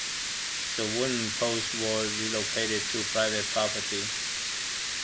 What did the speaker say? The wooden posts were relocated to private property.